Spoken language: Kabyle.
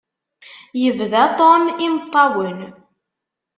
Yebda Tom imeṭṭawen.